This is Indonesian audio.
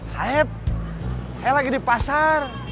saya lagi di pasar